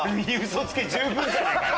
嘘つけ十分じゃないかよ。